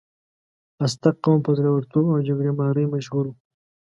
ازتک قوم په زړورتوب او جګړې مارۍ مشهور و.